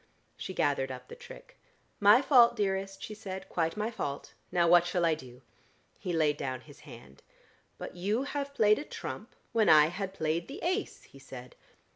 She gathered up the trick. "My fault, dearest," she said. "Quite my fault. Now what shall I do?" He laid down his hand. "But you have played a trump when I had played the ace," he said.